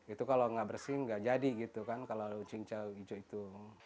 itu kalau nggak bersih nggak jadi gitu kan kalau cincau hijau itu